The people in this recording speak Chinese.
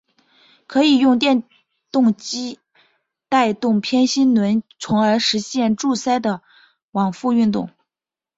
可以用电动机带动偏心轮从而实现柱塞的往复运动。